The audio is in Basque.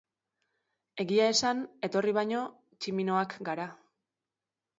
Egia esan, etorri baino, tximinoak gara.